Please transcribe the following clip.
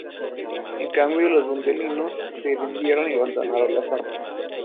En cambio, los dunlendinos se rindieron y abandonaron las armas.